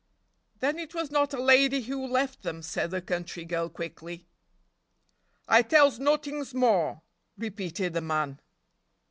"Then it was not a lady who left them," said the country girl, quickly. "I tells nottings more," repeated the man.